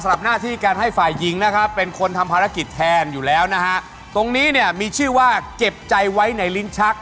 อันนี้เนี่ยมีชื่อว่าเก็บใจไว้ในลิ้นชัก